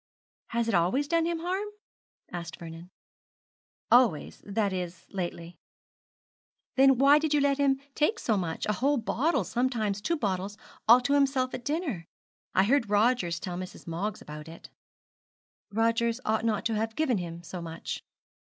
'Has it always done him harm?' asked Vernon. 'Always; that is, lately.' 'Then why did you let him take so much a whole bottle, sometimes two bottles all to himself at dinner? I heard Rogers tell Mrs. Moggs about it.' 'Rogers ought not to have given him so much.'